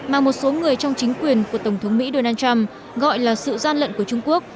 mà một số người trong chính quyền của tổng thống mỹ donald trump gọi là sự gian lận của trung quốc